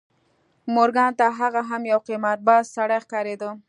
مورګان ته هغه یو قمارباز سړی ښکارېده